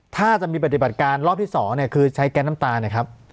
ถ้าจะมีปฏิบัติการรอบที่๒เนี่ยคือใช้แก๊สน้ำตานะครับ